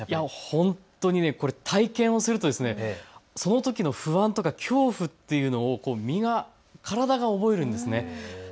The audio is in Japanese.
本当に体験をするとそのときの不安とか恐怖というのを体が覚えるんです。